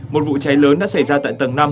một vụ cháy lớn đã xảy ra tại tầng năm